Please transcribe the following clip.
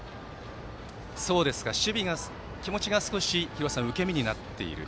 守備が気持ちが少し受け身になっている。